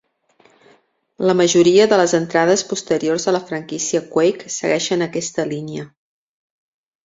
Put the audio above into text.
La majoria de les entrades posteriors a la franquícia "Quake" segueixen aquesta línia.